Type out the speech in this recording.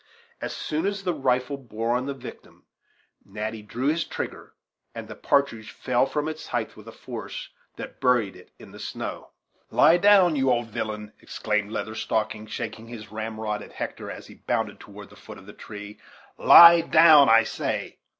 As soon as the rifle bore on the victim, Natty drew his trigger, and the partridge fell from its height with a force that buried it in the snow. "Lie down, you old villain," exclaimed Leather Stocking, shaking his ramrod at Hector as he bounded toward the foot of the tree, "lie down, I say."